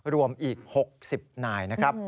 รวมอีก๖๐นายนะครับ